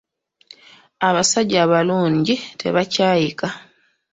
Abasajja abalungi tebakyayika.